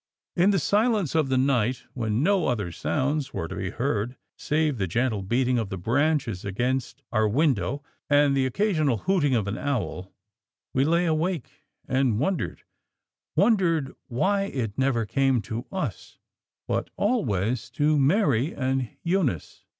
In the silence of the night, when no other sounds were to be heard, save the gentle beating of the branches against our window and the occasional hooting of an owl, we lay awake and wondered, wondered why it never came to us, but always to Mary and Eunice.